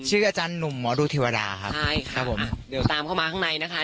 อาจารย์หนุ่มหมอดูเทวดาครับใช่ครับผมเดี๋ยวตามเข้ามาข้างในนะคะ